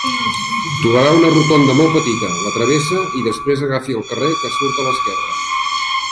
Trobarà una rotonda molt petita, la travessa, i després agafi el carrer que surt a l'esquerra.